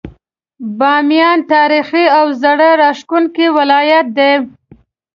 باميان تاريخي او زړه راښکونکی ولايت دی.